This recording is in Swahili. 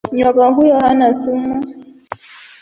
Nyoka huyu hana sumu.